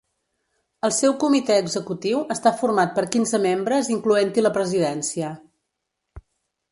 El seu comitè executiu està format per quinze membres incloent-hi la presidència.